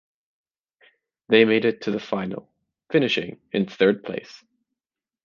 They made it to the final, finishing in third place.